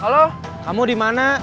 perasaan kamu di mana